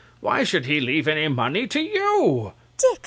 Why should he leave any money to you?